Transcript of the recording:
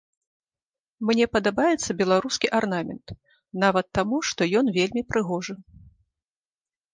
Мне падабаецца беларускі арнамент, нават таму што ён вельмі прыгожы.